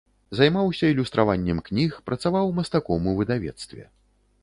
Займаўся ілюстраваннем кніг, працаваў мастаком у выдавецтве.